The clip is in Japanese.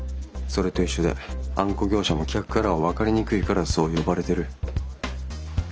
それと一緒であんこ業者も客からは分かりにくいからそう呼ばれてる。